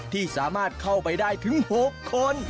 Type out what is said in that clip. ที่สามารถเข้าไปได้ถึง๖คน